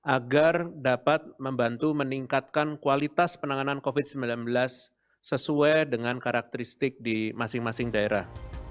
agar dapat membantu meningkatkan kualitas penanganan covid sembilan belas sesuai dengan karakteristik di masing masing daerah